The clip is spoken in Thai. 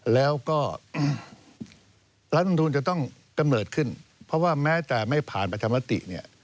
แล้วก็รัฐมนตรูนจะต้องกระเมิดขึ้นเพราะว่าแม้จะไม่ผ่านประชามาติ